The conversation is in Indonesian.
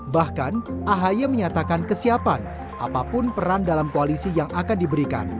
bahkan ahy menyatakan kesiapan apapun peran dalam koalisi yang akan diberikan